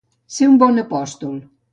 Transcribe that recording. Ser un bon apòstol.